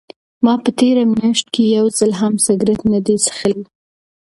ما په تېره میاشت کې یو ځل هم سګرټ نه دی څښلی.